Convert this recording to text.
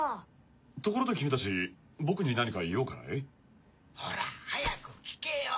ところで君たち僕に何か用かい？ほら早く聞けよ。